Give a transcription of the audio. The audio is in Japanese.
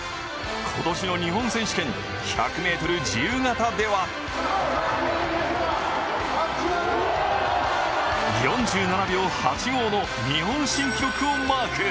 今年の日本選手権、１００ｍ自由形では４７秒８５の日本新記録をマーク。